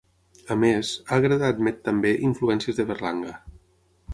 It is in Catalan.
A més, Ágreda admet també influències de Berlanga.